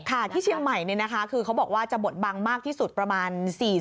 ที่เชียงใหม่เนี่ยนะคะคือเขาบอกว่าจะบดบังมากที่สุดประมาณ๔๐